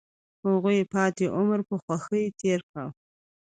هغوی پاتې عمر په خوښۍ تیر کړ.